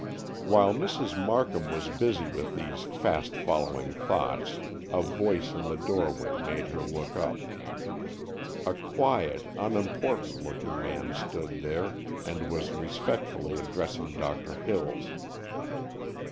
While Mrs. Markham was busy with these fast following thoughts a voice in the doorway made her look up. A quiet, unimportant looking man stood there, and was respectfully addressing Doctor Hills.